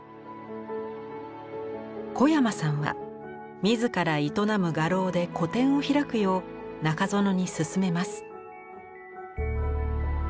小山さんは自ら営む画廊で個展を開くよう中園に勧めます。